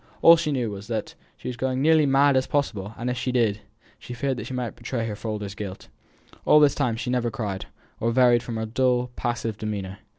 All she knew was, that she was as nearly going mad as possible; and if she did, she feared that she might betray her father's guilt. All this time she never cried, or varied from her dull, passive demeanour.